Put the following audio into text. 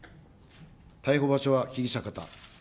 逮捕場所は被疑者方。